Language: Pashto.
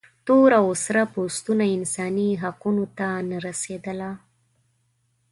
تور او سره پوستو انساني حقونو ته نه رسېدله.